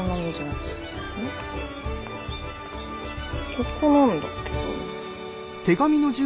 ここなんだけどな。